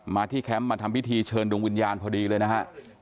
ที่แคมป์มาทำพิธีเชิญดวงวิญญาณพอดีเลยนะฮะ